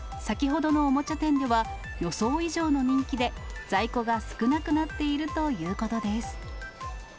先ほどのおもちゃ店では、予想以上の人気で、在庫が少なくなっているということです。